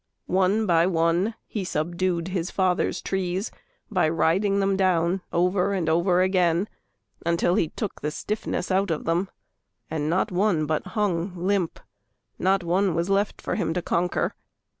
One by one he subdued his father's trees By riding them down over and over again Until he took the stiffness out of them, And not one but hung limp, not one was left For him to conquer.